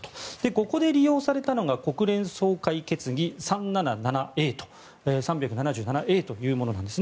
ここで利用されたのが国連総会決議３７７Ａというものなんです。